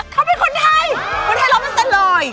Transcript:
เขาเป็นคนไทยคนไทยเราเป็นสันรอย